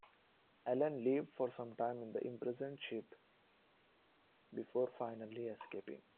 Allan lived for some time in the imprisoned ship before finally escaping.